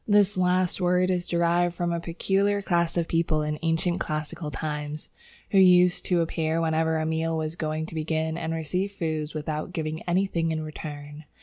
This last word is derived from a peculiar class of people in ancient classical times, who used to appear whenever a meal was going to begin, and received food without giving anything in return.